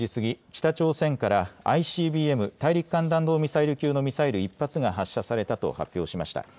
北朝鮮からＩＣＢＭ・大陸間弾道ミサイル級のミサイル１発が発射されたと発表しました。